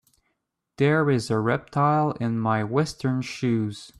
There is a reptile in my western shoes.